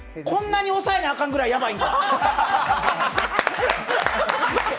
こんなに抑えなアカンぐらいやばいの？